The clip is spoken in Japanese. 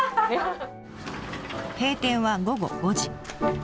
閉店は午後５時。